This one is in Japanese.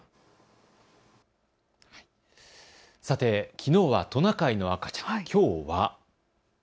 きのうはトナカイの赤ちゃん、きょうは？